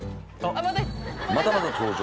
またまた登場！